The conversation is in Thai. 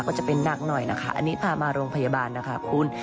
ก็จะเป็นนักหน่อยนะคะอันนี้พามาโรงพยาบาลนะคะคุณ